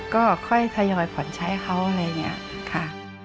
ก็ค่อยทยอยผ่อนใช้เขาอะไรอย่างนี้ค่ะ